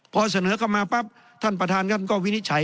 พอเสนอกลับมาปั๊บท่านประธานก็วินิจฉัย